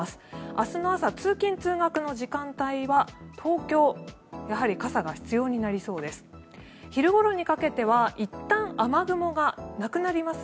明日の朝通勤・通学の時間帯は東京、やはり傘が必要になりそうです。